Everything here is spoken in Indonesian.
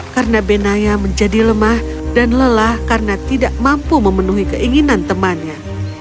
karena benayal menjadi lemah dan lelah karena tidak mampu memenuhi keinginan temannya